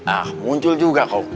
ah muncul juga kok